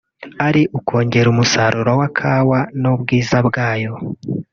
ari ukongera umusaruro wa Kawa n’ubwiza bwayo